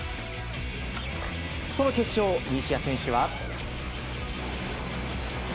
その決勝、西矢選手は。